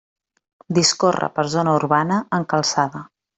Discorre per zona urbana, en calçada.